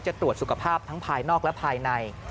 ตรวจสุขภาพทั้งภายนอกและภายใน